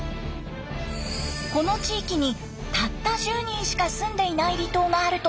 この地域にたった１０人しか住んでいない離島があるとの情報が。